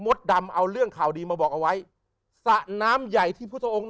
ดำเอาเรื่องข่าวดีมาบอกเอาไว้สระน้ำใหญ่ที่พุทธองค์